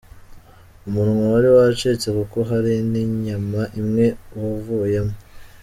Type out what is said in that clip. Umunwa wari wacitse kuko hari n’inyama imwe wavuyemo.